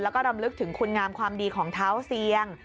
แล้วก็รำลึกถึงคุณงามความดีของเท้าเซียง